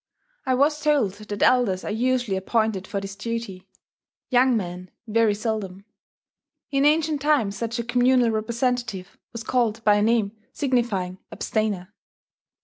I was told that elders are usually appointed for this duty, young men very seldom. In ancient times such a communal representative was called by a name signifying "abstainer."